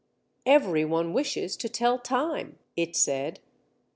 _] "Everyone wishes to tell time," it said.